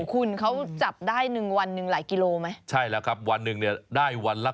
คุณเขาจับได้หนึ่งวันหนึ่งหลายกิโลกรัมไหม